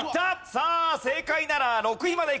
さあ正解なら６位までいく。